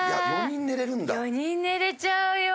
４人寝れちゃうよ。